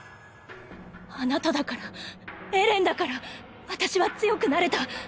あなただからエレンだから私は強くなれた。